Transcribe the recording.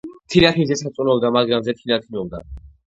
თინათინ მზესა წუნობდა, მაგრამ მზე თინათინობდა